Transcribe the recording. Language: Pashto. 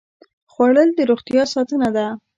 خوړل د روغتیا ساتنه ده